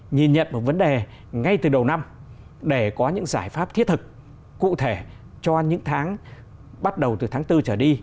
nhìn nhận một vấn đề ngay từ đầu năm để có những giải pháp thiết thực cụ thể cho những tháng bắt đầu từ tháng bốn trở đi